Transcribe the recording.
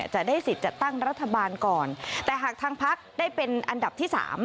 จะได้สิทธิ์จัดตั้งรัฐบาลก่อนแต่หากทางพักได้เป็นอันดับที่๓